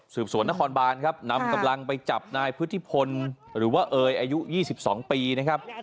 สวนนครบานครับนำกำลังไปจับนายพุทธิพลหรือว่าเอยอายุ๒๒ปีนะครับ